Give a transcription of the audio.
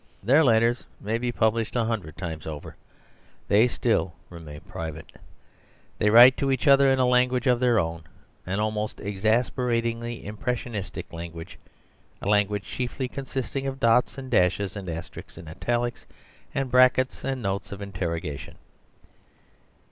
Their letters may be published a hundred times over, they still remain private. They write to each other in a language of their own, an almost exasperatingly impressionist language, a language chiefly consisting of dots and dashes and asterisks and italics, and brackets and notes of interrogation.